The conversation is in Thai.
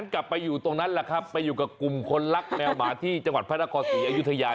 กลับอย่างนั่นละครับไปอยู่กับกลุ่มคนรักแมวหมาที่จังหวัดพพสีอายุทยา